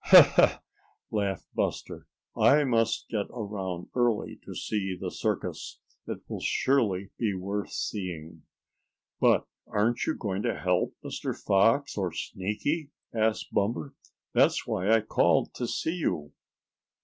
"Ha! Ha!" laughed Buster. "I must get around early to see the circus. It will surely be worth seeing." "But aren't you going to help Mr. Fox or Sneaky?" asked Bumper. "That's why I called to see you."